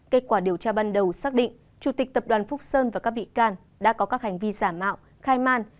kết quả điều tra ban đầu xác định chủ tịch tập đoàn phúc sơn và các bị can đã có các hành vi giả mạo khai man